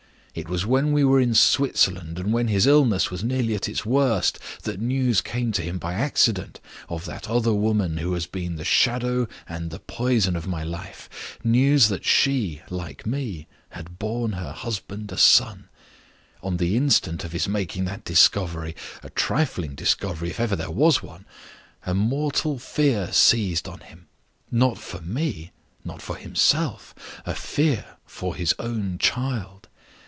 It was when we were in Switzerland, and when his illness was nearly at its worst, that news came to him by accident of that other woman who has been the shadow and the poison of my life news that she (like me) had borne her husband a son. On the instant of his making that discovery a trifling discovery, if ever there was one yet a mortal fear seized on him: not for me, not for himself; a fear for his own child.